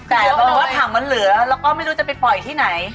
แต่มันว่าถังมันเหลือแล้วก็ไม่รู้จะไปปล่อยที่ไหน